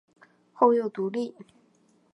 后又独立。